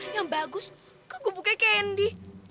yang bagus ke gugupnya candy